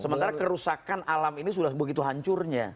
sementara kerusakan alam ini sudah begitu hancurnya